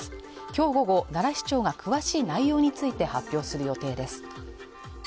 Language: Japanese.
きょう午後、奈良市長が詳しい内容について発表する予定です